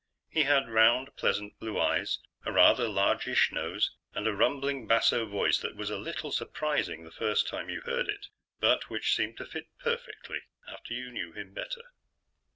He had round, pleasant, blue eyes, a rather largish nose, and a rumbling basso voice that was a little surprising the first time you heard it, but which seemed to fit perfectly after you knew him better.